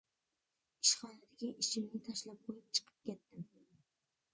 ئىشخانىدىكى ئىشىمنى تاشلاپ قويۇپ چىقىپ كەتتىم.